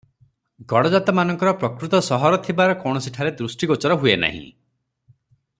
ଗଡ଼ଜାତମାନଙ୍କର ପ୍ରକୃତ ସହର ଥିବାର କୌଣସିଠାରେ ଦୃଷ୍ଟିଗୋଚର ହୁଏ ନାହିଁ ।